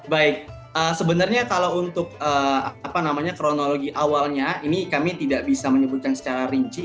baik sebenarnya kalau untuk kronologi awalnya ini kami tidak bisa menyebutkan secara rinci